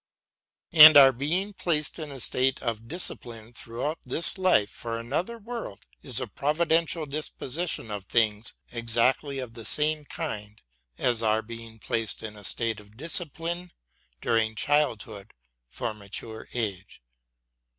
And our being placed iii a state of discipline throughout this life for another world is a providential disposition of things exactly of the same kind as our being placed in a state of discipline during childhood for mature age.